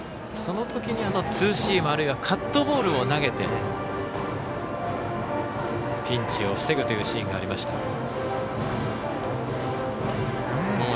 そのときにツーシームあるいはカットボールを投げてピンチを防ぐというシーンがありました。